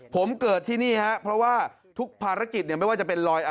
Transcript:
ผมเกิดที่นี่ครับเพราะว่าทุกภาระกิจไม่ว่าจะเป็นลอยอังคาร